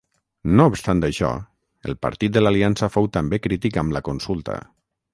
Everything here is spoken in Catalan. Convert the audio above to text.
No obstant això, el Partit de l'Aliança fou també crític amb la consulta.